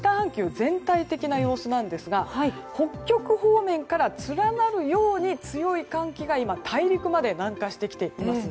全体的な様子なんですが北極方面から連なるように強い寒気が今、大陸まで南下してきています。